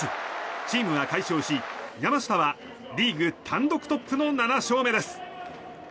チームは快勝し山下はリーグ単独トップの７勝目です。